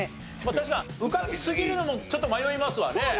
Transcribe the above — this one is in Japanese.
確かに浮かびすぎるのもちょっと迷いますわね。